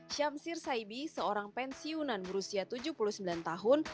syamsir saibi seorang pensiunan berusia tujuh puluh sembilan tahun